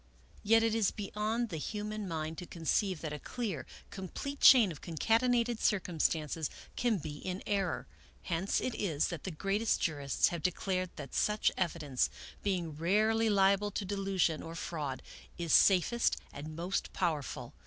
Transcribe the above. Yet it is beyond the human mind to conceive that a clear, complete chain of concatenated circumstances can be in error. Hence it is that the greatest jurists have declared that such evidence, being rarely liable to delusion or fraud, is safest and most powerful.